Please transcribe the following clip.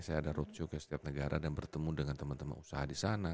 saya ada roadshow ke setiap negara dan bertemu dengan teman teman usaha di sana